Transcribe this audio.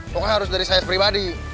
pokoknya harus dari saya pribadi